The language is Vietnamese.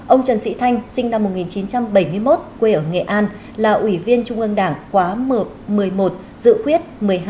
ông trần sĩ thanh sinh năm một nghìn chín trăm bảy mươi một quê ở nghệ an là ủy viên trung ương đảng khóa một mươi một dự khuyết một mươi hai một mươi ba